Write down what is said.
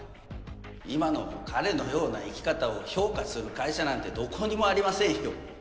今の彼のような生き方を評価する会社なんてどこにもありませんよ。